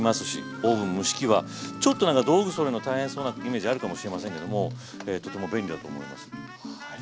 オーブン・蒸し器はちょっとなんか道具そろえるのが大変そうなイメージあるかもしれませんけどもとても便利だと思います。